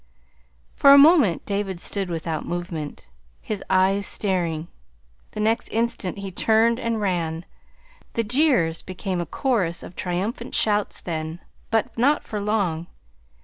For a moment David stood without movement, his eyes staring. The next instant he turned and ran. The jeers became a chorus of triumphant shouts then but not for long.